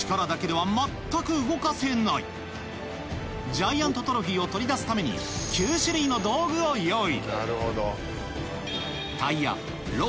ジャイアントトロフィーを取り出すためにを用意